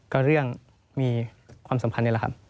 ก็เรื่องมีความสำคัญเนี่ยแหละครับ